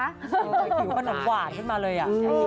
คิวประหนักหวานขึ้นมาเลย